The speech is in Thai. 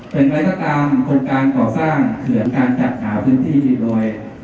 เป็นไงก็ตามโครงการก่อสร้างเผื่อจัดข่าวพื้นที่หรือรวย